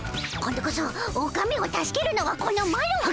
今度こそオカメを助けるのはこのマロ！